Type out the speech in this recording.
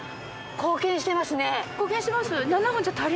貢献してます。